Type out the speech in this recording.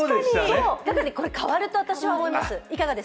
だから変わると私は思います。